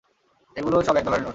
এগুলো সব এক ডলারের নোট।